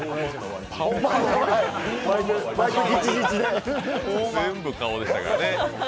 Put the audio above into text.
顔、顔、全部顔でしたからね。